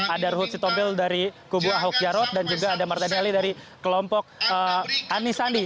ada ruhut sitobil dari kubu ahok yarot dan juga ada mardani ali dari kelompok anisandi